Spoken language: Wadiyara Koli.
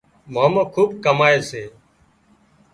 مامو کُوٻ ڪامائي سي